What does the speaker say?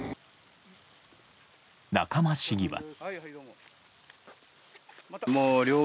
仲間市議は。